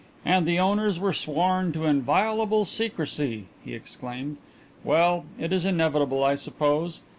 "And the owners were sworn to inviolable secrecy!" he exclaimed. "Well, it is inevitable, I suppose.